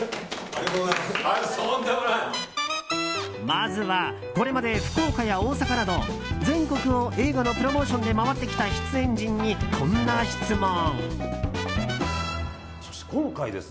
まずはこれまで福岡や大阪など全国を映画のプロモーションで回ってきた出演陣に、こんな質問。